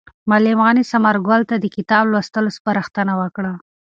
معلم غني ثمر ګل ته د کتاب لوستلو سپارښتنه وکړه.